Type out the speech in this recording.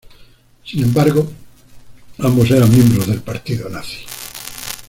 Sin embargo, ambos eran miembros del partido nazi.